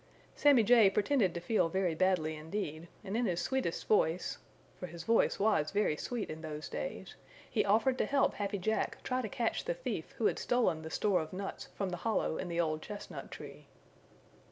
Sammy Jay pretended to feel very badly indeed, and in his sweetest voice, for his voice was very sweet in those days, he offered to help Happy Jack try to catch the thief who had stolen the store of nuts from the hollow in the old chestnut tree.